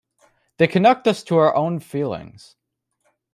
They connect us to our own feelings.